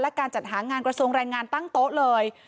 และการจัดหางานกระทรวงแรงงานตั้งโต๊ะเลย